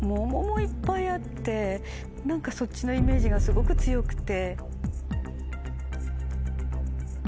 あって何かそっちのイメージがすごく強くて。